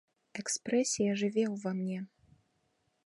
Экспрэсія жыве ўва мне.